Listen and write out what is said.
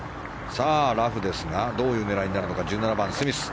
さあ、ラフですがどういう狙いになるのか１７番、スミス。